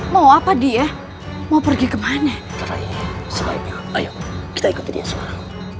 mau apa dia mau pergi kemana kita ikut dia